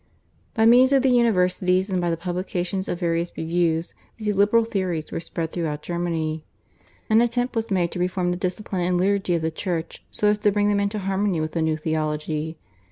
By means of the universities and by the publication of various reviews these liberal theories were spread throughout Germany. An attempt was made to reform the discipline and liturgy of the Church so as to bring them into harmony with the new theology.